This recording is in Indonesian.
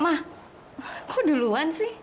ma kok duluan sih